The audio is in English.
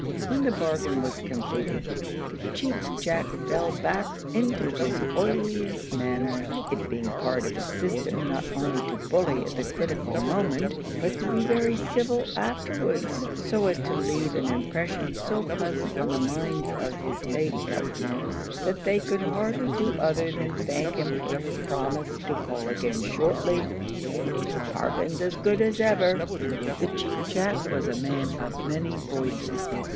When the bargain was completed, the Cheap Jack fell back into his oiliest manner; it being part of his system not only to bully at the critical moment, but to be very civil afterwards, so as to leave an impression so pleasant on the minds of his lady customers that they could hardly do other than thank him for his promise to call again shortly with "bargains as good as ever." The Cheap Jack was a man of many voices.